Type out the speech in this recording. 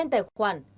số tài khoản